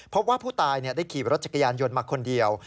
พบว่าผู้ตายได้ขี่รถจักรยานยนต์มาคนเดียว